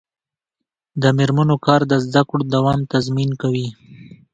د میرمنو کار د زدکړو دوام تضمین کوي.